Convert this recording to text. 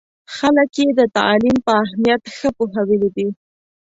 خلک یې د تعلیم په اهمیت ښه پوهولي دي.